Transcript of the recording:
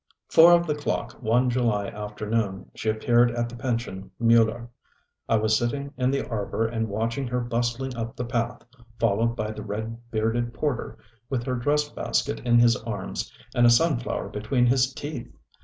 Four of the clock one July afternoon she appeared at the Pension M├╝ller. I was sitting in the arbour and watched her bustling up the path followed by the red bearded porter with her dress basket in his arms and a sunflower between his teeth.